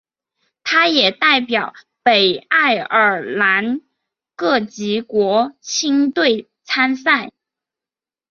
他也代表北爱尔兰各级国青队参赛。